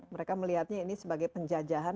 mereka melihatnya ini sebagai penjajahan